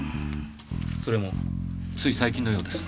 それもつい最近のようです。